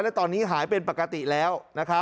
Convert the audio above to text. และตอนนี้หายเป็นปกติแล้ว